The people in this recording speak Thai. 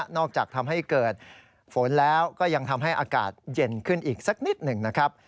ทำให้เกิดฝนแล้วก็ยังทำให้อากาศเย็นขึ้นอีกสักนิดหนึ่งนะครับ